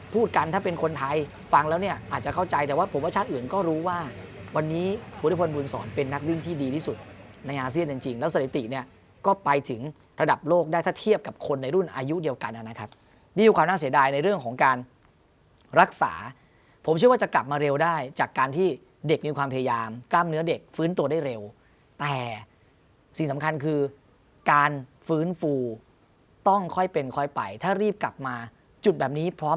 พูดกันถ้าเป็นคนไทยฟังแล้วเนี้ยอาจจะเข้าใจแต่ว่าผมว่าชาติอื่นก็รู้ว่าวันนี้ผู้โดยพลบูรณ์สอนเป็นนักริ่งที่ดีที่สุดในอาเซียนจริงจริงแล้วสถิติเนี้ยก็ไปถึงระดับโลกได้ถ้าเทียบกับคนในรุ่นอายุเดียวกันอะนะครับนี่คือความน่าเสียดายในเรื่องของการรักษาผมเชื่อว่าจะกลับมาเร็วได้